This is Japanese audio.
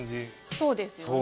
そうですよね。